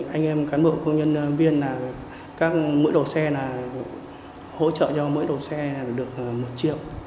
anh em cán bộ công nhân viên là các mũi đồ xe là hỗ trợ cho mũi đồ xe được một triệu